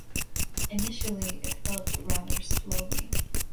Initially, it developed rather slowly.